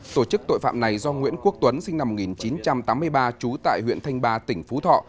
tổ chức tội phạm này do nguyễn quốc tuấn sinh năm một nghìn chín trăm tám mươi ba trú tại huyện thanh ba tỉnh phú thọ